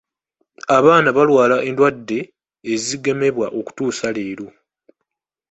Abaana balwala endwadde ezigemebwa okutuusa leero.